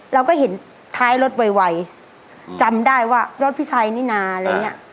เราก็เห็นท้ายรถไวจำได้ว่ารถพี่ชัยนี่นาอะไรอย่างเงี้ย